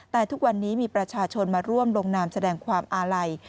แต่ทุกวันนี้มีประชาชนมาร่วมลงนามแสดงความอาลัย